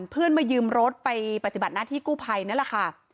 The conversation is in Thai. เพื่อนมายืมรถไปปฏิบัติหน้าที่กู้ภัยนั่นแหละค่ะ